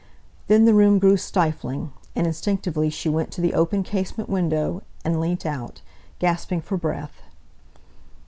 Then the room grew stifling, and instinctively she went to the open casement window, and leant out, gasping for breath.